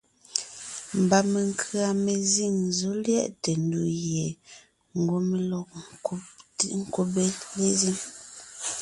Mba menkʉ̀a mezíŋ zɔ̌ lyɛʼte ndù gie ngwɔ́ mé lɔg ńkúbe lezíŋ.